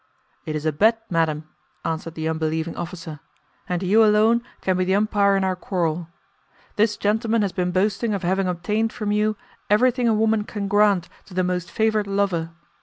"'It is a bet, madam,' answered the unbelieving officer, 'and you alone can be the umpire in our quarrel. This gentleman has been boasting of having obtained from you everything a woman can grant to the most favoured lover.